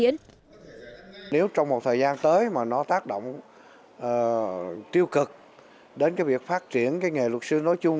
nếu trong một thời gian tới mà nó tác động tiêu cực đến cái việc phát triển cái nghề luật sư nói chung